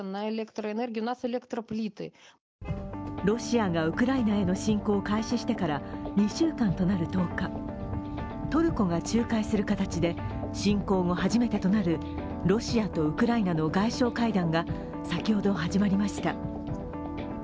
ロシアがウクライナへの侵攻を開始してから２週間となる１０日トルコが仲介する形で侵攻後、初めてとなるロシアとウクライナの外相会談が先ほど始まりました。